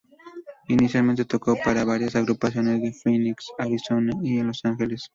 Inicialmente tocó para varias agrupaciones en Phoenix, Arizona y en Los Ángeles.